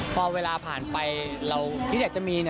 พอเวลาผ่านไปเราก็จะมี